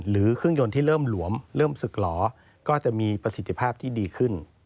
เครื่องยนต์ที่เริ่มหลวมเริ่มศึกหล่อก็จะมีประสิทธิภาพที่ดีขึ้น